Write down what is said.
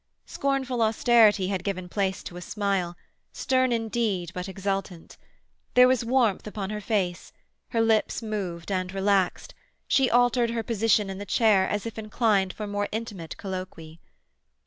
Scornful austerity had given place to a smile, stern indeed, but exultant. There was warmth upon her face; her lips moved and relaxed; she altered her position in the chair as if inclined for more intimate colloquy.